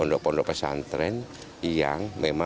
dan juga pondok pesantren yang akan kita bantu menjaga pendidikan